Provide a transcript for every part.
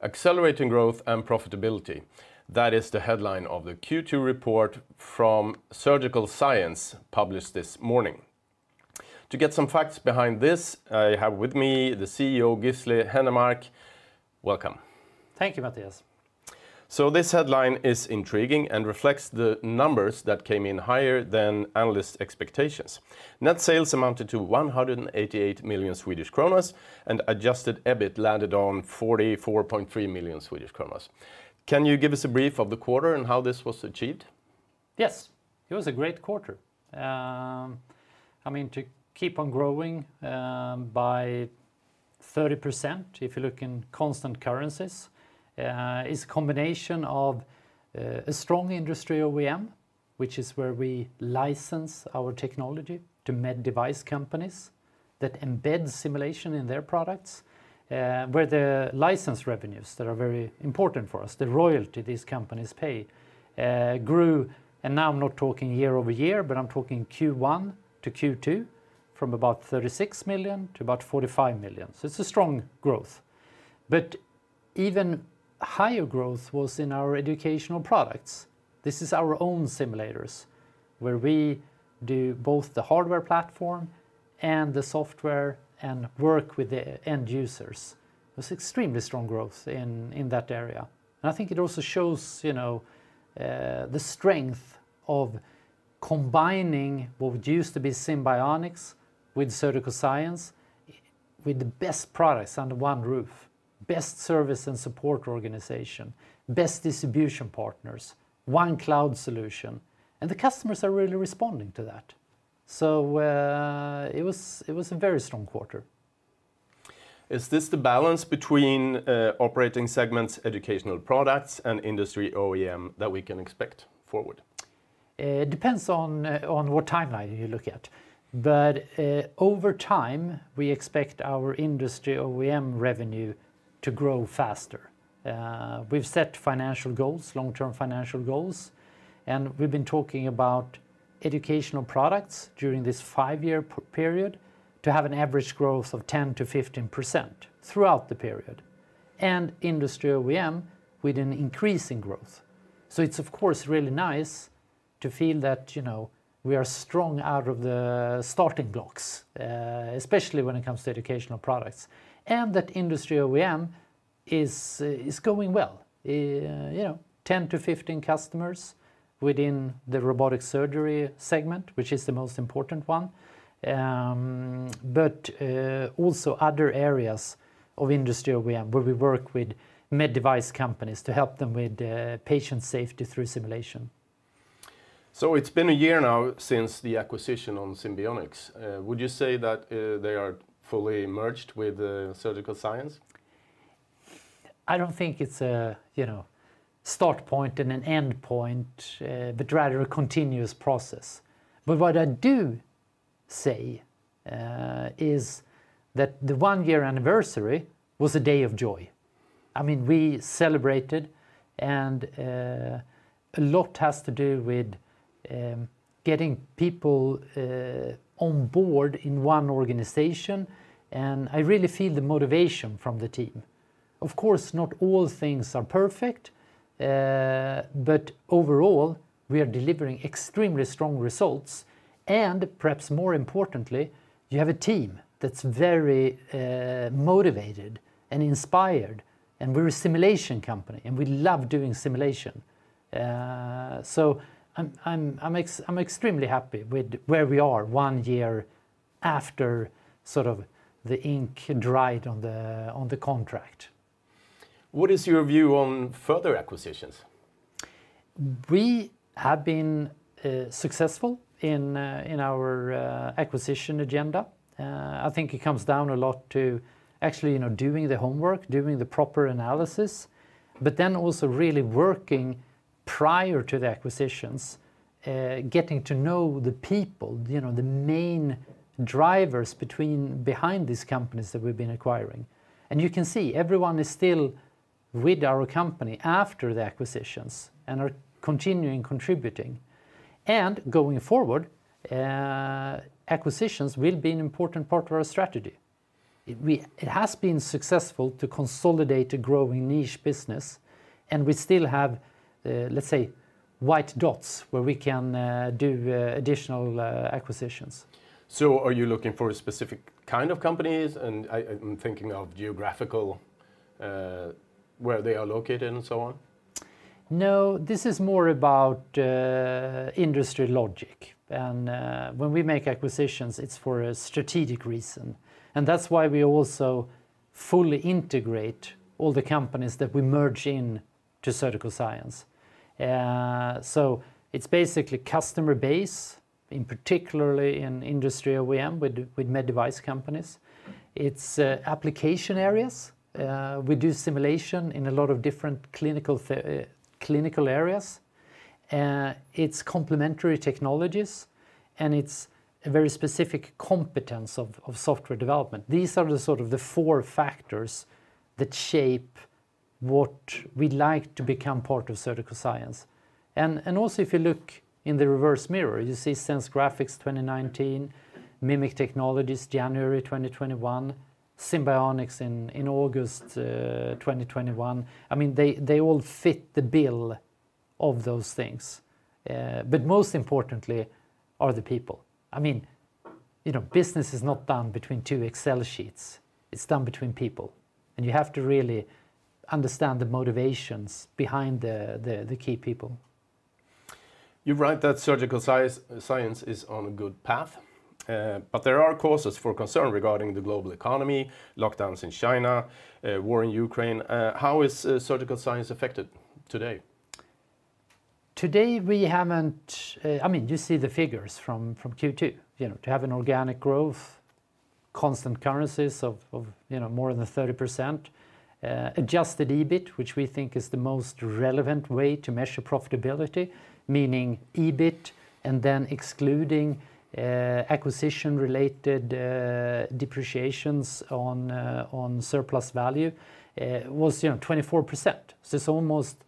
Accelerating growth and profitability." That is the headline of the Q2 report from Surgical Science published this morning. To get some facts behind this, I have with me the CEO, Gisli Hennermark. Welcome. Thank you, Mattias. This headline is intriguing and reflects the numbers that came in higher than analyst expectations. Net sales amounted to 188 million, and Adjusted EBIT landed on 44.3 million. Can you give us a brief on the quarter and how this was achieved? Yes. It was a great quarter. I mean, to keep on growing by 30% if you look in constant currency is a combination of a strong Industry/OEM, which is where we license our technology to med device companies that embed simulation in their products, where the license revenues that are very important for us, the royalty these companies pay grew. Now I'm not talking year-over-year, but I'm talking Q1 to Q2 from about 36 million to about 45 million. It's a strong growth. Even higher growth was in our Educational Products. This is our own simulators, where we do both the hardware platform and the software and work with the end users. It was extremely strong growth in that area. I think it also shows, you know, the strength of combining what used to be Simbionix with Surgical Science with the best products under one roof, best service and support organization, best distribution partners, one cloud solution, and the customers are really responding to that. It was a very strong quarter. Is this the balance between operating segments, Educational Products, and Industry/OEM that we can expect forward? It depends on what timeline you look at. Over time, we expect our industry OEM revenue to grow faster. We've set financial goals, long-term financial goals, and we've been talking about educational products during this five-year period to have an average growth of 10%-15% throughout the period, and industry OEM with an increase in growth. It's of course really nice to feel that, you know, we are strong out of the starting blocks, especially when it comes to educational products, and that industry OEM is going well. You know, 10-15 customers within the robotic surgery segment, which is the most important one, but also other areas of industry OEM where we work with med device companies to help them with patient safety through simulation. It's been a year now since the acquisition of Simbionix. Would you say that they are fully merged with Surgical Science? I don't think it's a, you know, start point and an end point, but rather a continuous process. What I do say is that the one-year anniversary was a day of joy. I mean, we celebrated, and a lot has to do with getting people on board in one organization, and I really feel the motivation from the team. Of course, not all things are perfect, but overall, we are delivering extremely strong results, and perhaps more importantly, you have a team that's very motivated and inspired, and we're a simulation company, and we love doing simulation. I'm extremely happy with where we are one year after sort of the ink dried on the contract. What is your view on further acquisitions? We have been successful in our acquisition agenda. I think it comes down a lot to actually, you know, doing the homework, doing the proper analysis, but then also really working prior to the acquisitions, getting to know the people, you know, the main drivers behind these companies that we've been acquiring. You can see everyone is still with our company after the acquisitions and are continuing contributing. Going forward, acquisitions will be an important part of our strategy. It has been successful to consolidate a growing niche business, and we still have, let's say, white dots where we can do additional acquisitions. Are you looking for a specific kind of companies? I'm thinking of geographical, where they are located and so on. No, this is more about industry logic. When we make acquisitions, it's for a strategic reason, and that's why we also fully integrate all the companies that we merge in to Surgical Science. It's basically customer base, in particular in industry OEM with med device companies. It's application areas. We do simulation in a lot of different clinical areas. It's complementary technologies, and it's a very specific competence of software development. These are the sort of four factors that shape what we'd like to become part of Surgical Science. And also if you look in the rearview mirror, you see SenseGraphics 2019, Mimic Technologies January 2021, Simbionix in August 2021. I mean, they all fit the bill of those things. But most importantly are the people. I mean, you know, business is not done between two Excel sheets. It's done between people, and you have to really understand the motivations behind the key people. You're right that Surgical Science is on a good path. There are causes for concern regarding the global economy, lockdowns in China, war in Ukraine. How is Surgical Science affected today? I mean, you see the figures from Q2. You know, to have an organic growth, constant currency of, you know, more than 30%. Adjusted EBIT, which we think is the most relevant way to measure profitability, meaning EBIT and then excluding acquisition-related depreciations on surplus values, was, you know, 24%. It's almost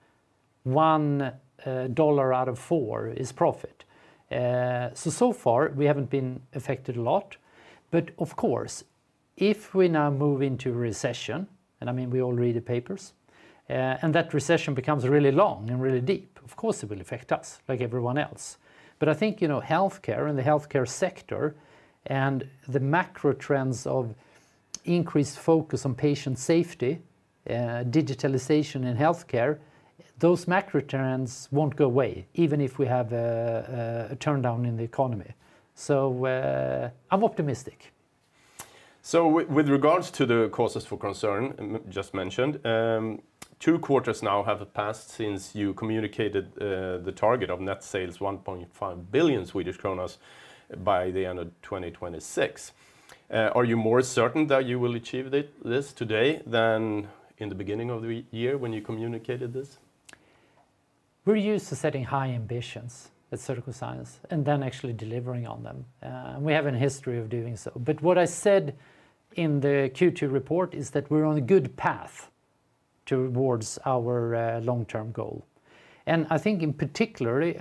$1 out of $4 is profit. So far we haven't been affected a lot. Of course, if we now move into recession, and I mean we all read the papers, and that recession becomes really long and really deep, of course it will affect us like everyone else. I think, you know, healthcare and the healthcare sector and the macro trends of increased focus on patient safety, digitalization in healthcare, those macro trends won't go away, even if we have a turndown in the economy. I'm optimistic. With regards to the causes for concern just mentioned, two quarters now have passed since you communicated the target of net sales 1.5 billion Swedish kronor by the end of 2026. Are you more certain that you will achieve this today than in the beginning of the year when you communicated this? We're used to setting high ambitions at Surgical Science and then actually delivering on them. We have a history of doing so. What I said in the Q2 report is that we're on a good path towards our long-term goal. I think in particular,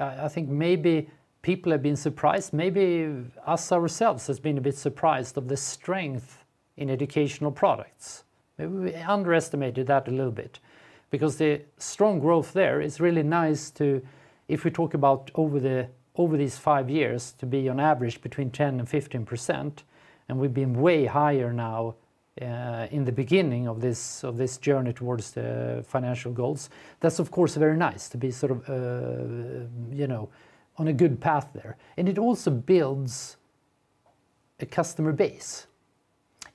maybe people have been surprised, maybe us ourselves has been a bit surprised of the strength in Educational Products. Maybe we underestimated that a little bit because the strong growth there is really nice to, if we talk about over these five years, to be on average between 10% and 15%, and we've been way higher now, in the beginning of this journey towards the financial goals. That's of course very nice to be sort of, you know, on a good path there, and it also builds a customer base.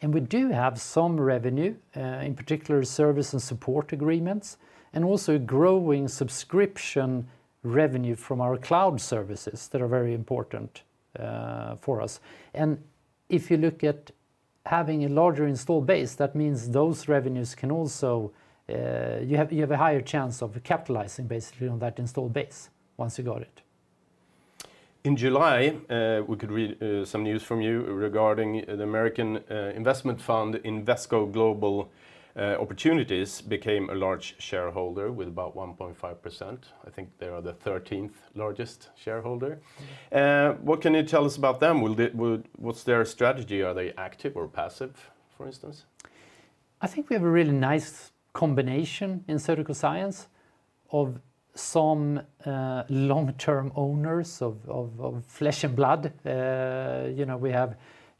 We do have some revenue, in particular service and support agreements, and also growing subscription revenue from our cloud services that are very important, for us. If you look at having a larger installed base, that means those revenues can also, you have a higher chance of capitalizing basically on that installed base once you got it. In July, we could read some news from you regarding the American investment fund Invesco Global Opportunities became a large shareholder with about 1.5%. I think they are the 13th-largest shareholder. What can you tell us about them? What's their strategy? Are they active or passive, for instance? I think we have a really nice combination in Surgical Science of some long-term owners of flesh and blood.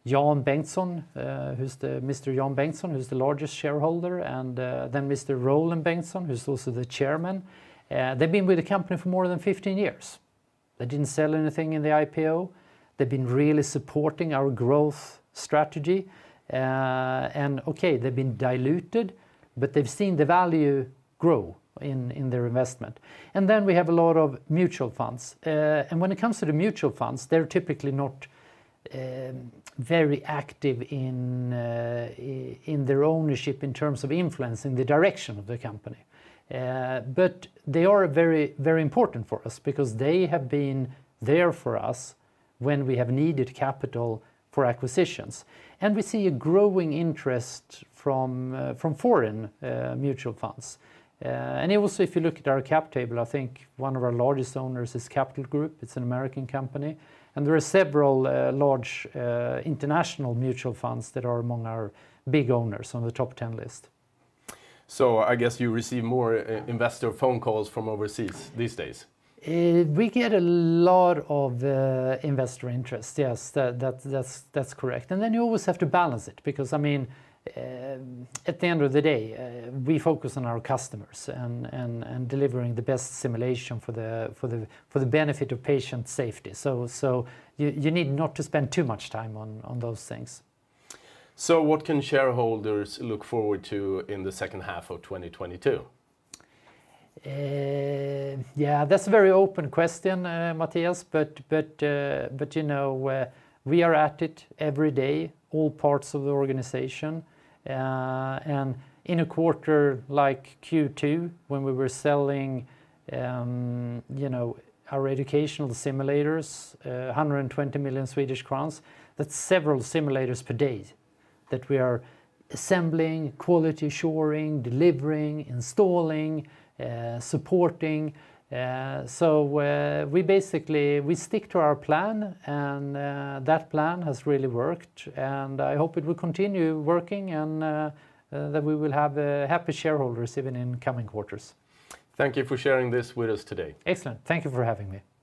You know, we have Mr. Jan Bengtsson, who's the largest shareholder, and then Mr. Roland Bengtsson, who's also the Chairman. They've been with the company for more than 15 years. They didn't sell anything in the IPO. They've been really supporting our growth strategy. They've been diluted, but they've seen the value grow in their investment. We have a lot of mutual funds. When it comes to the mutual funds, they're typically not very active in their ownership in terms of influencing the direction of the company. They are very, very important for us because they have been there for us when we have needed capital for acquisitions. We see a growing interest from foreign mutual funds. Also if you look at our cap table, I think one of our largest owners is Capital Group. It's an American company. There are several large international mutual funds that are among our big owners on the top 10 list. I guess you receive more investor phone calls from overseas these days. We get a lot of investor interest, yes. That's correct. You always have to balance it because, I mean, at the end of the day, we focus on our customers and delivering the best simulation for the benefit of patient safety. You need not to spend too much time on those things. What can shareholders look forward to in the second half of 2022? Yeah, that's a very open question, Matthias, but you know, we are at it every day, all parts of the organization. In a quarter like Q2 when we were selling, you know, our educational simulators, 120 million Swedish crowns, that's several simulators per day that we are assembling, quality assuring, delivering, installing, supporting. We basically stick to our plan, and that plan has really worked, and I hope it will continue working and that we will have happy shareholders even in coming quarters. Thank you for sharing this with us today. Excellent. Thank you for having me.